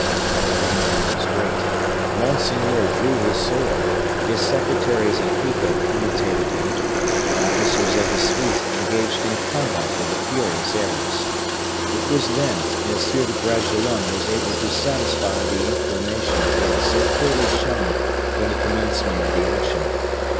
"The danger was great; monseigneur drew his sword; his secretaries and people imitated him; the officers of the suite engaged in combat with the furious Arabs. It was then M. de Bragelonne was able to satisfy the inclination he had so clearly shown from the commencement of the action.